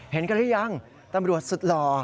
เห็นกันหรือยังตำรวจสุดหล่อ